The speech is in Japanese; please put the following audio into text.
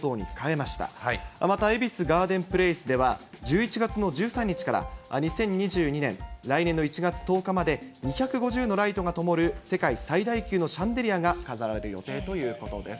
また恵比寿ガーデンプレイスでは、１１月の１３日から２０２２年、来年の１月１０日まで２５０のライトがともる世界最大級のシャンデリアが飾られる予定ということです。